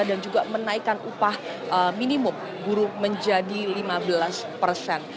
dan juga menaikkan upah minimum buruh menjadi lima belas persen